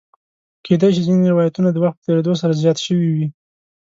کېدای شي ځینې روایتونه د وخت په تېرېدو سره زیات شوي وي.